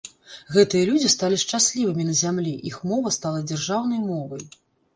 Гэтыя людзі сталі шчаслівымі на зямлі, іх мова стала дзяржаўнай мовай.